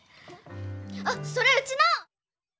あっそれうちの！